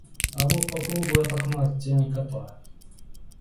А вот попробуй — от окна оттяни кота.